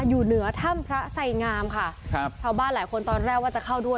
อยู่เหนือถ้ำพระไสงามค่ะครับชาวบ้านหลายคนตอนแรกว่าจะเข้าด้วย